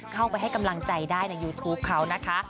ให้กำลังใจได้ในยูทูปเขานะคะ